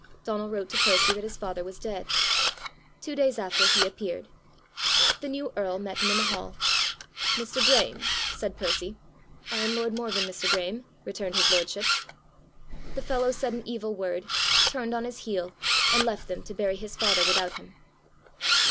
Donal wrote to Percy that his father was dead. Two days after, he appeared. The new earl met him in the hall. "Mr. Graeme," said Percy, "I am lord Morven, Mr. Graeme," returned his lordship. The fellow said an evil word, turned on his heel, and left them to bury his father without him.